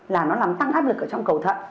là nó làm tăng áp lực ở trong cầu thận